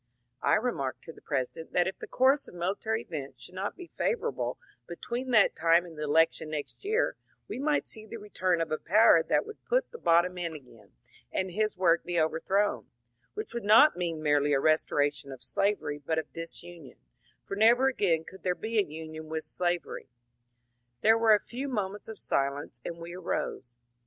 I remarked to the President that if the course of military events should not be favourable between that time and the election next year, we might see the return of a power that would put the bottom in again, and his work be overthrown ; which would not mean merely a restoration of slavery but of disunion, for never again could there be a union with slavery. There were a few moments of silence, and we arose.